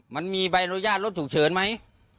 มันมีใบโยาทรถฉุกเฉินไหม